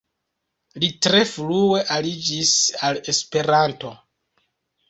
Li tre frue aliĝis al Esperanto.